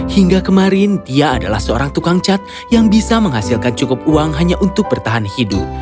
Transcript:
hingga kemarin dia adalah seorang tukang cat yang bisa menghasilkan cukup uang hanya untuk bertahan hidup